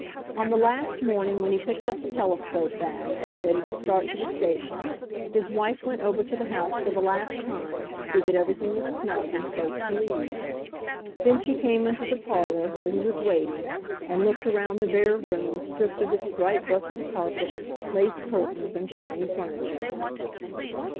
On the last morning when he picked up the telescope bags, ready to start to the station, his wife went over to the house for the last time to see that everything was snug and safe to leave. Then she came into the parlor where he was waiting and looked around the bare room stripped of its bright Brussels carpets, lace curtains and shiny furniture.